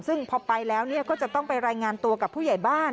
ซึ่งพอไปแล้วก็จะต้องไปรายงานตัวกับผู้ใหญ่บ้าน